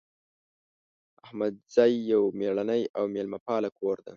احمدزی یو میړنۍ او میلمه پاله کور ده